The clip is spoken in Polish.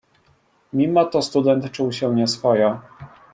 "Mimo to student czuł się nieswojo."